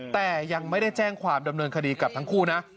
แต่ยังไม่ได้แจ้งความดำเนินคดีกับทั้งคู่นะ